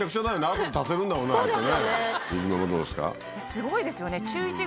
すごいですよね。